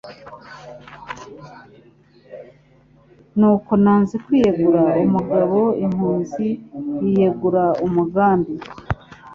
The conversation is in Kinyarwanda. nuko nanze kwiyegura umugabo impunzi ziyegura umugambi,